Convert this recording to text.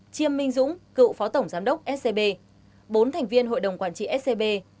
chiêm minh dũng cựu phó tổng giám đốc scb bốn thành viên hội đồng quản trị scb